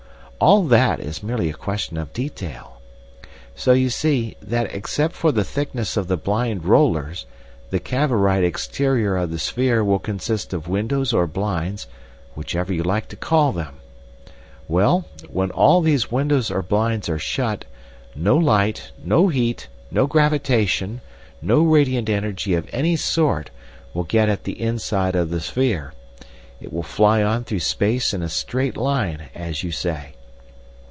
All that is merely a question of detail. So you see, that except for the thickness of the blind rollers, the Cavorite exterior of the sphere will consist of windows or blinds, whichever you like to call them. Well, when all these windows or blinds are shut, no light, no heat, no gravitation, no radiant energy of any sort will get at the inside of the sphere, it will fly on through space in a straight line, as you say.